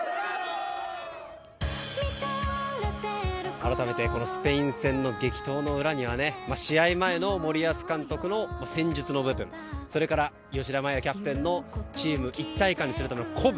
あらためてこのスペイン戦の激闘の裏には試合前の森保監督の戦術の部分それから吉田麻也キャプテンのチーム一体感にするための鼓舞